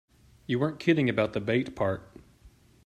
You weren't kidding about the bait part.